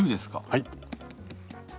はい。